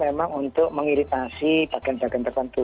memang untuk mengiritasi bagian bagian tertentu